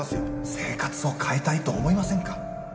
生活を変えたいと思いませんか？